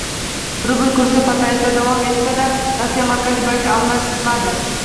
Rubl kursi pasayishda davom etsa -da, Rossiya Markaziy banki aralashmadi